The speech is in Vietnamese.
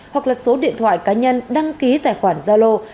hoặc là số điện thoại cá nhân đăng ký tài khoản gia lô